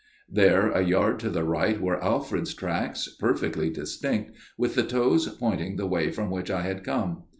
" There a yard to the right were Alfred's tracks, perfectly distinct, with the toes pointing the way from which I had come.